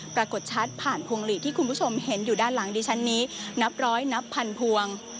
ปรากฏชัดผ่านพวงหลีดที่คุณผู้ชมเห็นอยู่ด้านหลังดิฉันนี้นับร้อยนับพันพวง